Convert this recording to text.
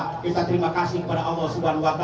kita terima kasih kepada allah swt